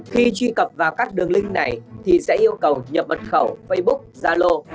khi truy cập vào các đường link này thì sẽ yêu cầu nhập mật khẩu facebook zalo